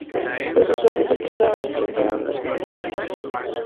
Los usuarios, destrozaron e incendiaron las boleterías.